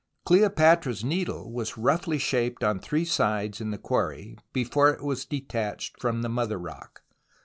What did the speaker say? Cleopatra's Needle was roughly shaped on three sides in the quarry, before it was detached from the mother rock.